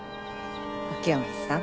秋山さん。